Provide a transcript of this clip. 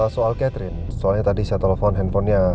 soal catherine soalnya tadi saya telepon handphonenya